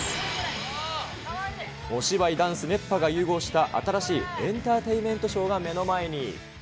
お芝居、ダンス、熱波が融合した新しいエンターテイメントショーが目の前に。